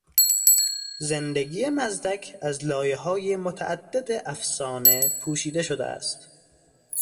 زندگی مزدک از لایههای متعدد افسانه پوشیده شده است.